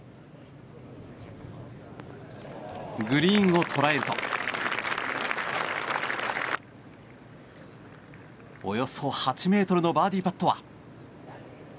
グリーンを捉えるとおよそ８ｍのバーディーパットは。